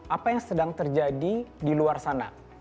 apa yang sedang terjadi di luar sana